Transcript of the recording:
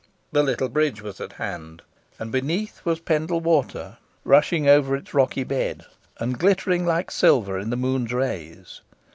The little bridge was at hand, and beneath was Pendle Water, rushing over its rocky bed, and glittering like silver in the moon's rays.